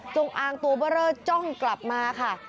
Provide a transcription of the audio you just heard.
อางตัวเบอร์เรอจ้องกลับมาค่ะ